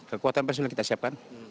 kekuatan personil yang kita siapkan